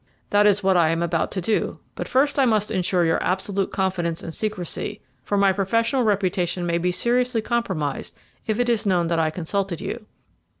"That is what I am about to do; but first I must ensure your absolute confidence and secrecy, for my professional reputation may be seriously compromised if it is known that I consulted you."